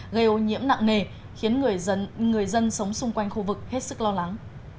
gây ô nhiễm nặng nề khiến người dân sống xung quanh khu vực hết sức lo lắng